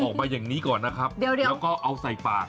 ออกมาอย่างนี้ก่อนนะครับแล้วก็เอาใส่ปาก